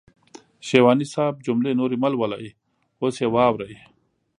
شېواني صاحب جملې نورې مهلولئ اوس يې واورئ.